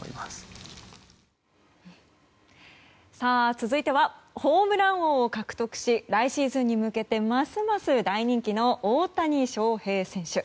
続いてはホームラン王を獲得し来シーズンに向けてますます大人気の大谷翔平選手。